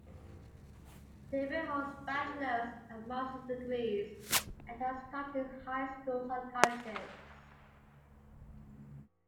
David holds bachelor's and master's degrees and has taught in high schools and colleges.